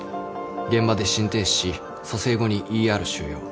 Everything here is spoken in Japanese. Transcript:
現場で心停止し蘇生後にＥＲ収容。